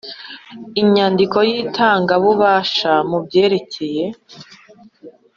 Inyandiko y itangabubasha mu byerekeye